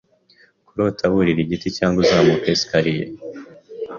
Kurota wurira igiti cyangwa uzamuka escalier